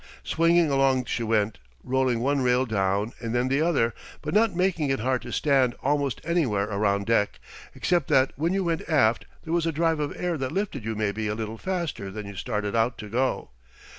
Swinging along she went, rolling one rail down and then the other, but not making it hard to stand almost anywhere around deck, except that when you went aft there was a drive of air that lifted you maybe a little faster than you started out to go.